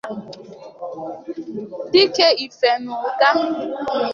Dike Ìfè n'Ụga